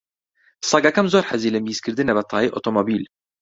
سەگەکەم زۆر حەزی لە میزکردنە بە تایەی ئۆتۆمۆبیل.